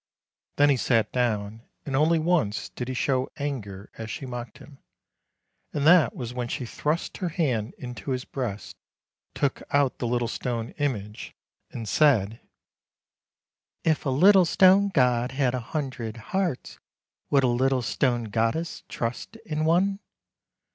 Then he sat down, and only once did he show anger as she mocked him, and that was when she thrust her hand into his breast, took out the Httle stone image, and said :" If a little stone god had a hundred hearts, Would a little stone goddess trust in one